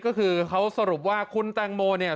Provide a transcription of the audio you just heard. ก็คือเขาสรุปว่าคุณแตงโมเนี่ย